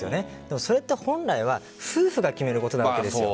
それは本来は夫婦が決めることであるわけです。